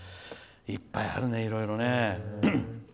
いっぱいあるね、いろいろね。